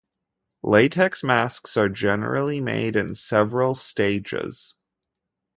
Latex masks are generally made in several stages.